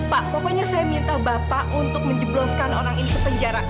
pak pokoknya saya minta bapak untuk menjebloskan orang ini ke penjara